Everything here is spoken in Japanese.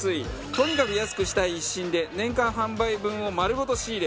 とにかく安くしたい一心で年間販売分を丸ごと仕入れ